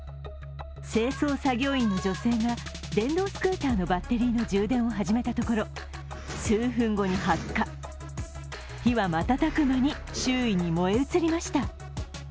清掃作業員の女性が電動スクーターのバッテリーの充電を始めたところ、数分後に発火火は瞬く間に周囲に燃え移りました。